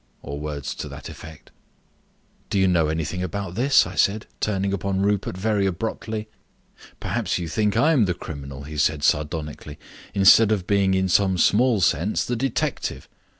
or words to that effect. "Do you know anything about this?" I said, turning upon Rupert very abruptly. "Perhaps you think I am the criminal," he said sardonically, "instead of being in some small sense the detective.